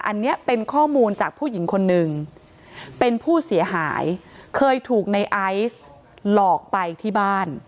อันนี้เป็นข้อมูลจากผู้หญิงคนนึงเป็นผู้เสียหายเคยถูกในไอซ์หลอกไปที่บ้าน